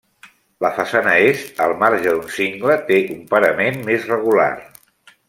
La façana est, al marge d'un cingle, té un parament més regular.